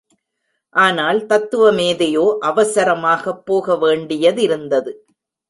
ஆனால் தத்துவ மேதையோ அவசரமாகப் போக வேண்டியதிருந்தது.